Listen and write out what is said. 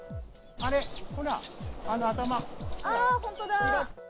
あー、本当だ。